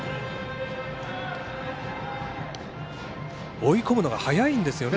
追い込むのが早いんですよね